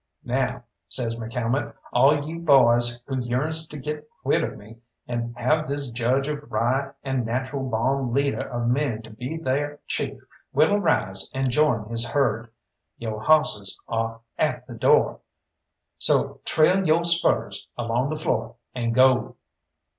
"Now," says McCalmont, "all you boys who yearns to get quit of me, and have this judge of rye and natural bawn leader of men to be they'r chief, will arise and join his herd. Yo' hawsses are at the door, so trail yo' spurs along the floor and go!"